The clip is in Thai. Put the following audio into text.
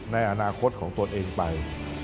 ในอนาคตของตนเองไป